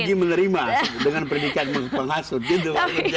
jadi bank egy menerima dengan pernikahan penghasut gitu